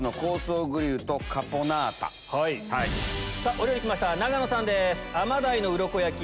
お料理来ました永野さんです。